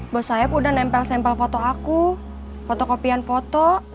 bos sayap udah nempel sampel foto aku foto kopian foto